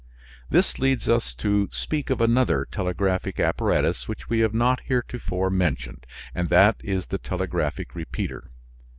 This leads us to speak of another telegraphic apparatus which we have not heretofore mentioned, and that is the telegraphic repeater.